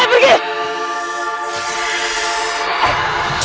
kenapa gue jadi merinding ya